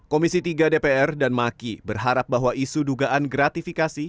komisi tiga dpr dan maki berharap bahwa isu dugaan gratifikasi